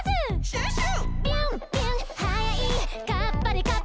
「シュッシュ！」